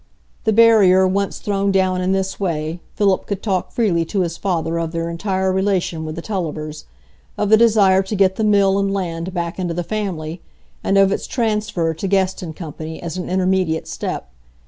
The barrier once thrown down in this way, Philip could talk freely to his father of their entire relation with the Tullivers,—of the desire to get the mill and land back into the family, and of its transfer to Guest & Co. as an intermediate step.